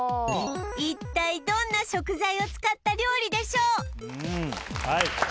一体どんな食材を使った料理でしょう？